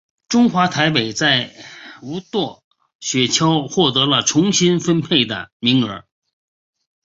中华台北在无舵雪橇获得重新分配的名额。